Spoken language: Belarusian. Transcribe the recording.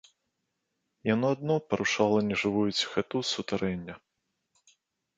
Яно адно парушала нежывую ціхату сутарэння.